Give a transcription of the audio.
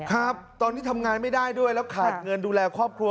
ครับตอนนี้ทำงานไม่ได้ด้วยแล้วขาดเงินดูแลครอบครัว